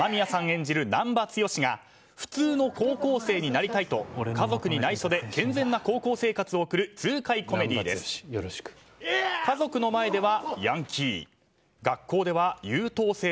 演じる難破剛が普通の高校生になりたいと家族に内緒で健全な高校生活を送る痛快コメディーです。